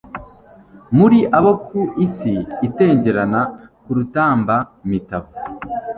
Muri abo ku isi itengerana, Ku Rutamba-mitavu.